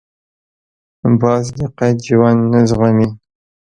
باز د قید ژوند نه زغمي